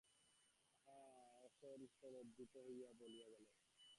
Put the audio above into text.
আশা অত্যন্ত লজ্জিত হইল–মৃদুস্বরে কহিল, তিনি চলিয়া গেছেন।